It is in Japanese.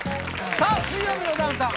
さあ「水曜日のダウンタウン」